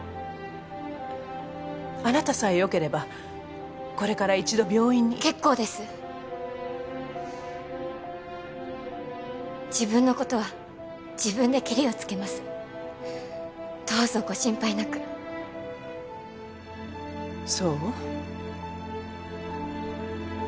あなたさえよければこれから一度病院に結構です自分のことは自分でケリをつけますどうぞご心配なくそう？